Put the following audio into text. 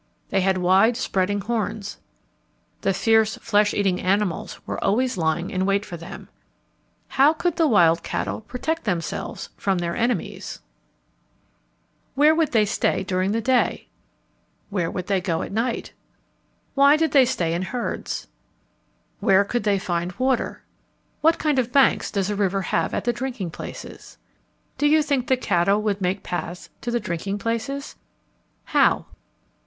They had wide spreading horns. The fierce flesh eating animals were always lying in wait for them. How could the wild cattle protect themselves from their enemies? [Illustration: "There were a great many wild cattle when the Tree dwellers lived"] Where would they stay during the day? Where would they go at night? Why did they stay in herds? Where could they find water? What kind of banks does a river have at the drinking places? Do you think the cattle would make paths to the drinking places? How?